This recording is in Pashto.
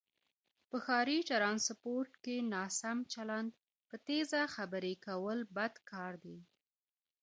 په ښاری ټرانسپورټ کې ناسم چلند، په تیزه خبرې کول بد کاردی